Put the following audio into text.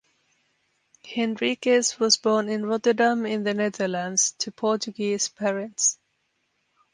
Henriques was born in Rotterdam in the Netherlands to Portuguese parents.